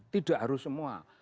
tidak harus semua